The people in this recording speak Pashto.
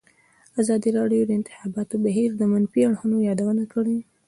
ازادي راډیو د د انتخاباتو بهیر د منفي اړخونو یادونه کړې.